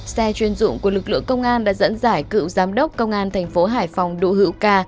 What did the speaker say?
xe chuyên dụng của lực lượng công an đã dẫn giải cựu giám đốc công an thành phố hải phòng đỗ hữu ca